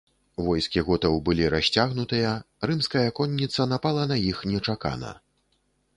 Войскі готаў былі расцягнутыя, рымская конніца напала на іх нечакана.